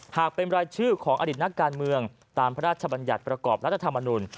หากเป็นรายชื่อของอดิตนักการเมืองตามพระราชบัญญัติประกอบรัฐธรรมนุน